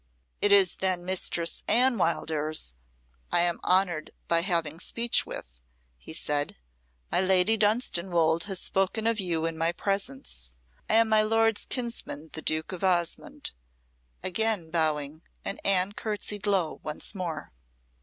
"It is then Mistress Anne Wildairs I am honoured by having speech with," he said. "My Lady Dunstanwolde has spoken of you in my presence. I am my lord's kinsman the Duke of Osmonde;" again bowing, and Anne curtseyed low once more.